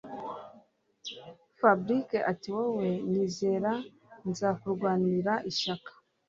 Fabric atiwowe nyizera nzakurwanira ishyaka